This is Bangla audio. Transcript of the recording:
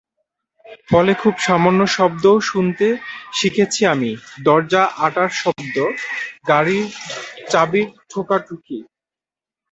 ফলে খুব সামান্য শব্দও শুনতে শিখেছি আমি—দরজা আঁটার শব্দ, গাড়ির চাবির ঠোকাঠুকি।